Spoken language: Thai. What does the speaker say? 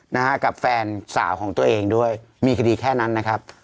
นะฮะกับแฟนสาวของตัวเองด้วยมีคดีแค่นั้นนะครับ